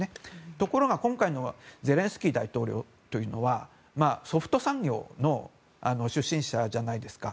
ところが、今回のゼレンスキー大統領というのはソフト産業の出身者じゃないですか。